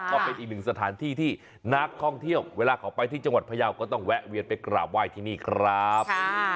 ก็เป็นอีกหนึ่งสถานที่ที่นักท่องเที่ยวเวลาเขาไปที่จังหวัดพยาวก็ต้องแวะเวียนไปกราบไหว้ที่นี่ครับ